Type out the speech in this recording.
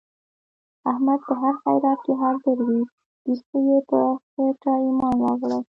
احمد په هر خیرات کې حاضر وي. بیخي یې په خېټه ایمان راوړی.